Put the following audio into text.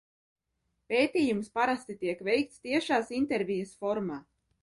Pētījums parasti tiek veikts tiešās intervijas formā.